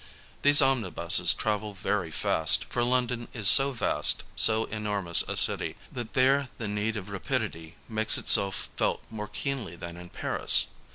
These onmibuses travel very fast, for London is so vast, so enormous a city that there the need of rapidity makes itself felt more keenly than in Paris.